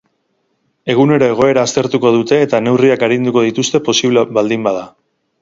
Egunero egoera aztertuko dute, eta neurriak arinduko dituzte posible baldin bada.